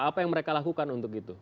apa yang mereka lakukan untuk itu